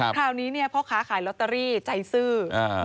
คราวนี้พ่อค้าขายโรตเตอรี่ใจสื้อ